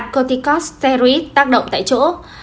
hai corticosteroids tác động tại chỗ